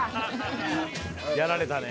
やられたね。